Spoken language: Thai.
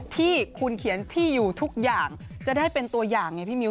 ที่คุณเขียนที่อยู่ทุกอย่างจะได้เป็นตัวอย่างไงพี่มิ้